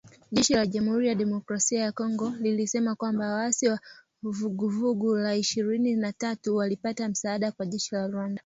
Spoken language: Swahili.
Jeshi la Jamhuri ya Kidemokrasia ya Kongo lilisema kwamba “waasi wa Vuguvugu la Ishirini na tatu, walipata msaada kwa jeshi la Rwanda"